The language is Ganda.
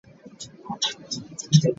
Bw’anaaba azze nja tumwaniriza n’ekitiibwa.